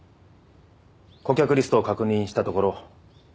顧客リストを確認したところ